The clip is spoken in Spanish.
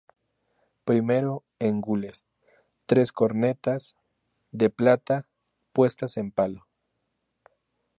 Primero, en gules, tres cornetas, de plata, puestas en palo.